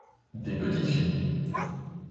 Des petites filles.